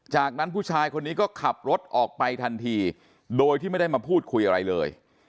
จากนั้นผู้ชายคนนี้ก็ขับรถออกไปทันทีโดยที่ไม่ได้มาพูดคุยอะไรเลย